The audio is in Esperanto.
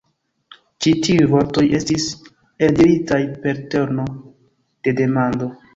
Ĉi tiuj vortoj estis eldiritaj per tono de demando.